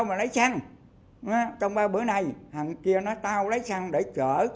bây giờ bây giờ bây giờ